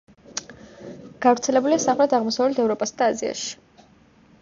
გავრცელებულია სამხრეთ-აღმოსავლეთ ევროპასა და აზიაში.